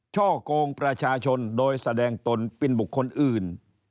ช่อกงประชาชนโดยแสดงตนเป็นบุคคลอื่น